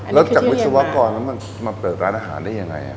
แล้วจากวิศวกรมาเปิดร้านอาหารได้อย่างไร